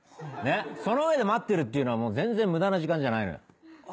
その上で待ってるっていうのは全然無駄な時間じゃないのよ。